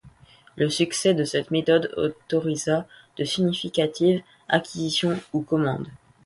Le succès de cette méthode autorisa de significatives acquisitions ou commandes.